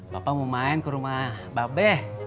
bapak mau main ke rumah bap beh